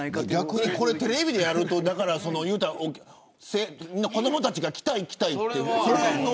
逆にテレビでやると子どもたちが来たい来たいって。